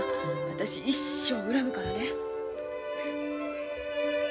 私一生恨むからね。